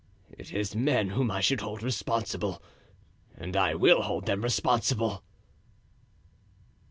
It is men whom I should hold responsible, and I will hold them responsible."